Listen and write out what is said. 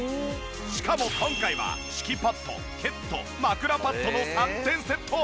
しかも今回は敷きパッドケット枕パッドの３点セット。